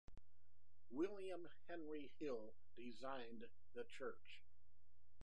William Henry Hill designed the church.